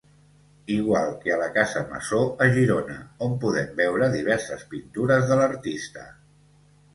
Igual que a la Casa Masó a Girona, on podem veure diverses pintures de l'artista.